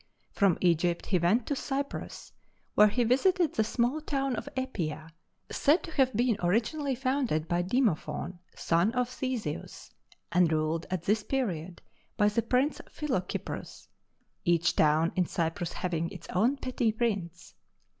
From Egypt he went to Cyprus, where he visited the small town of Æpia, said to have been originally founded by Demophon, son of Theseus, and ruled at this period by the prince Philocyprus each town in Cyprus having its own petty prince.